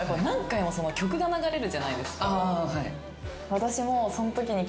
私も。